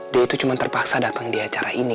dia itu cuma terpaksa datang di acara ini